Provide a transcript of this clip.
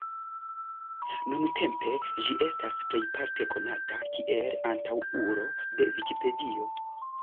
Nuntempe, ĝi estas plejparte konata kiel antaŭulo de Vikipedio.